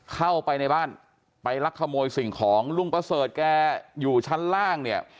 เข้าไปในบ้านไปลักขโมยสิ่งของลุงประเสริฐแกอยู่ชั้นล่างเนี่ย